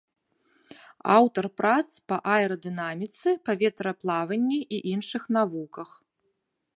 Аўтар прац па аэрадынаміцы, паветраплаванні і іншых навуках.